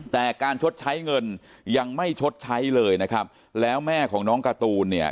แต่การชดใช้เงินยังไม่ชดใช้เลยนะครับแล้วแม่ของน้องการ์ตูนเนี่ย